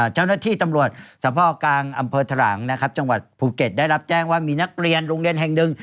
เจ้าหน้าที่ตำรวจสภกลางอำเภอทะหลังนะครับจังหวัดภูเก็ตได้รับแจ้งว่ามีนักเรียนโรงเรียนแห่งหนึ่ง